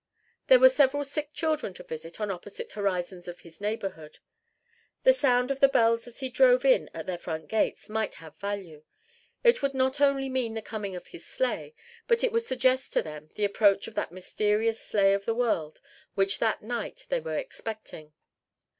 There were several sick children to visit on opposite horizons of his neighborhood. The sound of the bells as he drove in at their front gates might have value: it would not only mean the coming of his sleigh, but it would suggest to them the approach of that mysterious Sleigh of the World which that night they were expecting.